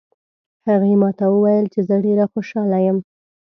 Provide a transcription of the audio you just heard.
هغې ما ته وویل چې زه ډېره خوشحاله یم